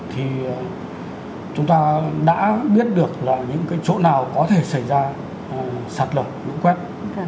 thì chúng ta đã biết được là những cái chỗ nào có thể xảy ra sạt lở lũ quét